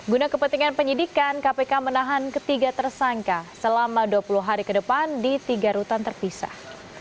guna kepentingan penyidikan kpk menahan ketiga tersangka selama dua puluh hari ke depan di tiga rutan terpisah